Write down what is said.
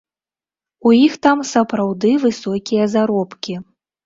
У іх там сапраўды высокія заробкі.